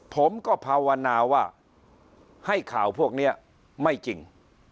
ผมก็ภาวนาว่าให้ข่าวพวกนี้ไม่จริง